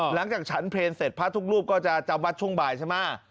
หลังจากฉันเพลงเสร็จพระทุกรูปก็จะจำวัดช่วงบ่ายใช่ไหม